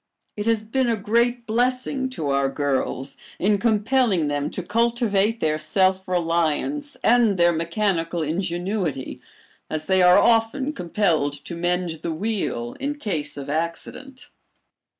It has been a great blessing to our girls in compelling them to cultivate their self reliance and their mechanical ingenuity, as they are often compelled to mend the wheel in case of accident.